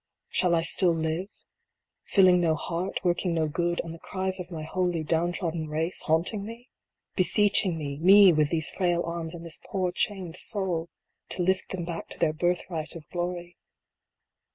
Shall I still live filling no heart, working no good, and the cries of my holy down trodden race haunting me ? Beseeching me me, with these frail arms and this poor chained soul, to lift them back to their birthright of glory.